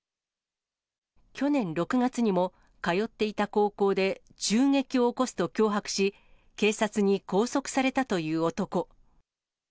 去年６月にも、通っていた高校で、銃撃を起こすと脅迫し、警察に拘束されたという男。